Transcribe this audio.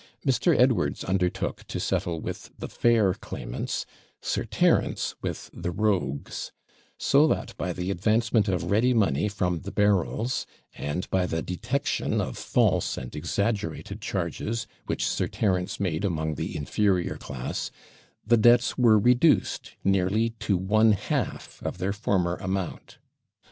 Mr. Edwards undertook to settle with the fair claimants; Sir Terence with the rogues; so that by the advancement of ready money from THE BERRYLS, and by the detection of false and exaggerated charges, which Sir Terence made among the inferior class, the debts were reduced nearly to one half of their former amount.